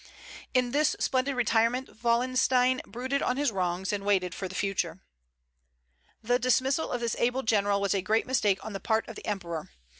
In this splendid retirement Wallenstein brooded on his wrongs, and waited for the future. The dismissal of this able general was a great mistake on the part of the Emperor.